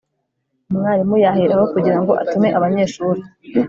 umwarimu yaheraho kugira ngo atume abanyeshuri